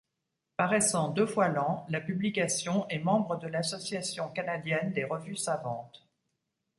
Paraissant deux fois l'an, la publication est membre de l'association canadienne des revues savantes.